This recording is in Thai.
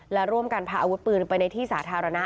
และร่วมกันพาอาวุธปืนไปในที่สาธารณะ